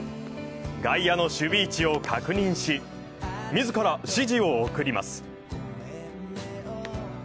外野の守備位置を確認し、自ら、指示を送ります。